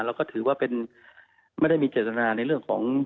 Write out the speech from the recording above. เราก็ถือว่าเป็นไม่ได้มีเจตนาในเรื่องของ